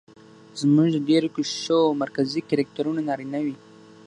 زموږ د ډېرو کيسو مرکزي کرکټرونه نارينه وي